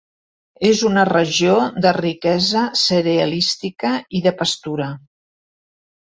És una regió de riquesa cerealística i de pastura.